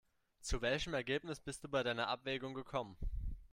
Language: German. Zu welchem Ergebnis bist du bei deiner Abwägung gekommen?